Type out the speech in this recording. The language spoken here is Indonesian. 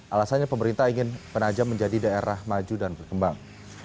alasannya pemerintah ingin penajam menjadi daerah maju dan berkembang